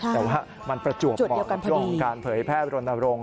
แต่ว่ามันประจวบเหมาะตรงการเผยแพร่โรนโรง